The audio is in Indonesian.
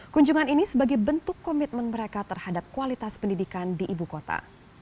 kunjungan ini sebagai bentuk komitmen mereka terhadap kualitas pendidikan di ibu kota